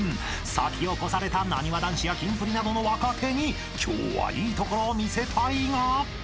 ［先を越されたなにわ男子やキンプリなどの若手に今日はいいところを見せたいが］